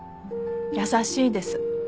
優しいです。